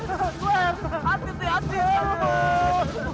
aduh tuh ya suar